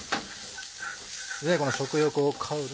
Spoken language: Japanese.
この食欲を香る。